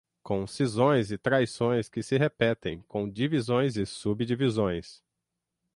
com cisões e traições que se repetem, com divisões e subdivisões